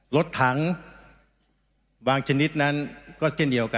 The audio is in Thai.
รถถังบางชนิดนั้นก็เช่นเดียวกัน